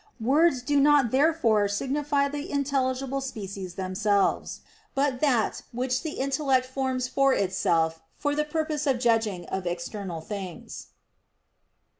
Words do not therefore signify the intelligible species themselves; but that which the intellect forms for itself for the purpose of judging of external things.